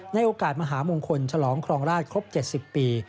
ในโอกาสมหามงคลฉลองครองราชครบ๗๐ปี